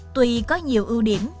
tùy có nhiều ưu điểm